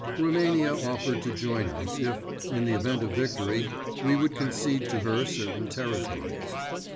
Roumania offered to join us if, in the event of victory, we would concede to her certain territories.